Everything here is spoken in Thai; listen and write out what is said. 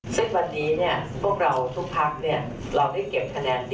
ซึ่งวันนี้เนี่ยพวกเราทุกภาพเนี่ยเราได้เก็บคะแนน๑๐